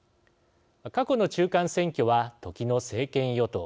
過去の中間選挙は時の政権与党